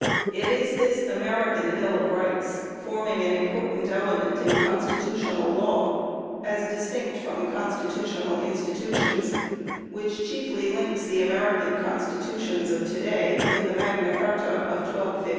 It is this American Bill of Rights, forming an important element in constitutional law, as dis tinct from constitutional institutions, which chiefly links the American Constitutions of to day with the Magna Carta of 1215. i.